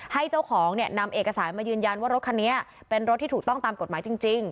เจ้าของเนี่ยนำเอกสารมายืนยันว่ารถคันนี้เป็นรถที่ถูกต้องตามกฎหมายจริง